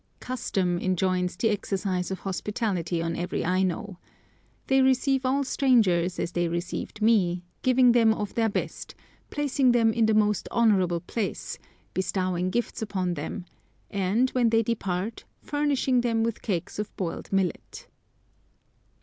"Custom" enjoins the exercise of hospitality on every Aino. They receive all strangers as they received me, giving them of their best, placing them in the most honourable place, bestowing gifts upon them, and, when they depart, furnishing them with cakes of boiled millet.